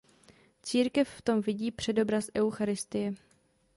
Církev v tom vidí předobraz eucharistie.